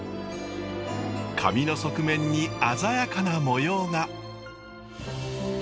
紙の側面に鮮やかな模様が。